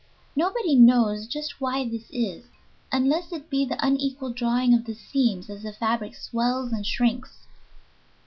Nobody knows just why this is, unless it be the unequal drawing of the seams as the fabric swells and shrinks.